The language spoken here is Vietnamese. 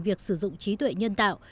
việc sử dụng trí tuệ nhân tạo